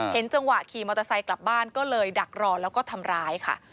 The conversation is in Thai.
จังหวะขี่มอเตอร์ไซค์กลับบ้านก็เลยดักรอแล้วก็ทำร้ายค่ะ